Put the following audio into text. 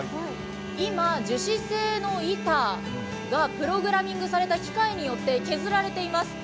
今、樹脂製の板がプログラミングされた機械によって削られています。